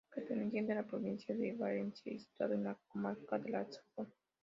Perteneciente a la provincia de Valencia y situado en la comarca de la Safor.